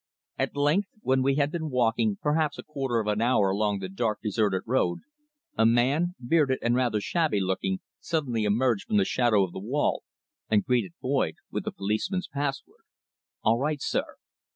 At length, when we had been walking perhaps a quarter of an hour along the dark, deserted road, a man, bearded and rather shabby looking, suddenly emerged from the shadow of the wall and greeted Boyd with the policeman's password "All right, sir."